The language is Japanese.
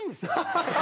ハハハハ！